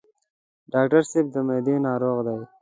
ډاکټر صاحب د معدې ناروغ دی.